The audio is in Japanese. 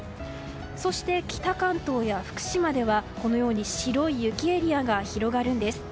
そして、北関東や福島ではこのように白い雪エリアが広がるんです。